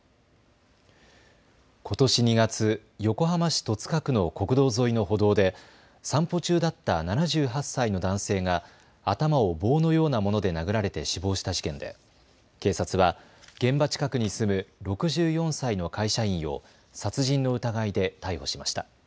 ことし２月、横浜市戸塚区の国道沿いの歩道で散歩中だった７８歳の男性が頭を棒のようなもので殴られて死亡した事件で警察は現場近くに住む６４歳の会社員を殺人の疑いで逮捕しました。